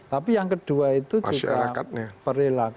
tapi yang kedua itu juga perilaku